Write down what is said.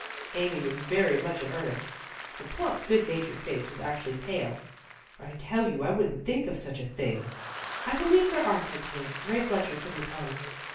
Amy was very much in earnest. Her plump, good natured face was actually pale. " I tell you I wouldn't think of such a thing." " I believe there are thirteen. Rae Fletcher couldn't come."